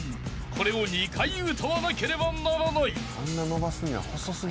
［これを２回歌わなければならない］